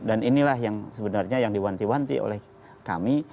dan inilah yang sebenarnya yang diwanti wanti oleh kami